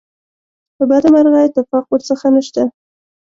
له بده مرغه اتفاق ورڅخه نشته.